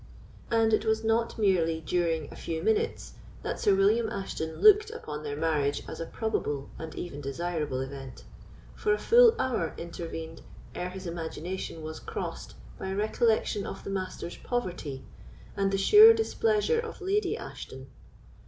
And it was not merely during a few minutes that Sir William Ashton looked upon their marriage as a probable and even desirable event, for a full hour intervened ere his imagination was crossed by recollection of the Master's poverty, and the sure displeasure of Lady Ashton.